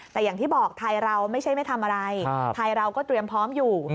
แต่อย่างที่บอกไทยเราไม่ใช่ไม่ทำอะไรไทยเราก็เตรียมพร้อมอยู่